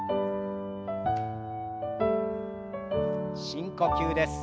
深呼吸です。